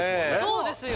そうですよ